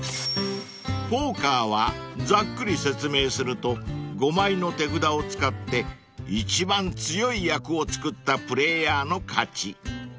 ［ポーカーはざっくり説明すると５枚の手札を使って一番強い役を作ったプレーヤーの勝ち］